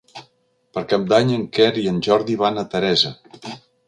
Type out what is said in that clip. Per Cap d'Any en Quer i en Jordi van a Teresa.